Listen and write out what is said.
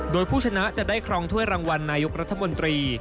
โดยผู้ชนะจะได้ครองถ้วยรางวัลนายกรัฐมนตรี